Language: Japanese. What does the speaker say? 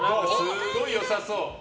すごい良さそう！